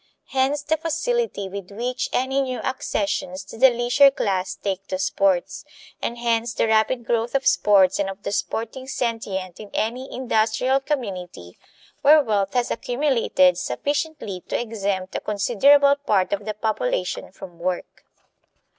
Hence the facility with which any new accessions to the leisure class take to sports; and hence the rapid growth of sports and of the sporting sentient in any industrial community where wealth has accumulated sufficiently to exempt a considerable part of the population from work.